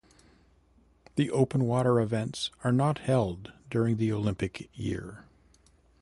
The open water events are not held during the Olympic year.